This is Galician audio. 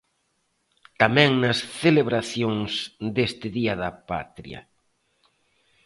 Tamén nas celebracións deste día da Patria.